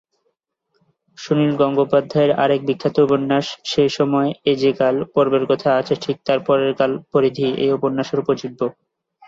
সুনীল গঙ্গোপাধ্যায়ের আর এক বিখ্যাত উপন্যাস সেই সময়-এ যে কাল-পর্বের কথা আছে ঠিক তার পরের কাল-পরিধি এই উপন্যাসের উপজীব্য।